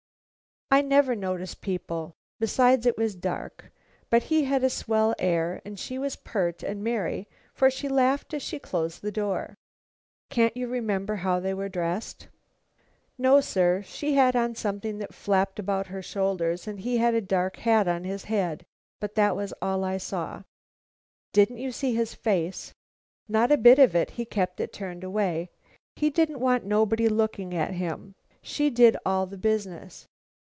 "I never notice people; besides, it was dark; but he had a swell air, and she was pert and merry, for she laughed as she closed the door." "Can't you remember how they were dressed?" "No, sir; she had on something that flapped about her shoulders, and he had a dark hat on his head, but that was all I saw." "Didn't you see his face?" "Not a bit of it; he kept it turned away. He didn't want nobody looking at him. She did all the business."